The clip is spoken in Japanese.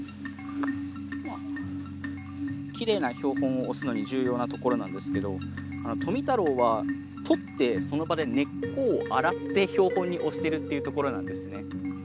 きれいな標本を押すのに重要なところなんですけど富太郎は採ってその場で根っこを洗って標本に押してるっていうところなんですね。